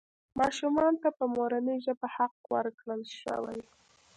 ماشومانو ته په مورنۍ ژبه حق ورکړل شوی.